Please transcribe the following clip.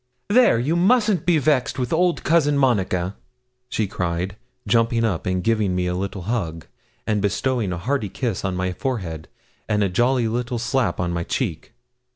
'There, you mustn't be vexed with old Cousin Monica,' she cried, jumping up, and giving me a little hug, and bestowing a hearty kiss on my forehead, and a jolly little slap on my cheek.